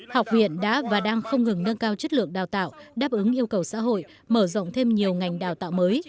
học viện đã và đang không ngừng nâng cao chất lượng đào tạo đáp ứng yêu cầu xã hội mở rộng thêm nhiều ngành đào tạo mới